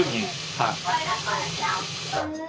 はい。